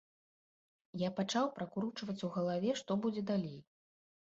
Я пачаў пракручваць у галаве, што будзе далей.